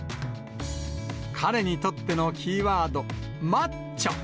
彼にとってのキーワード、マッチョ。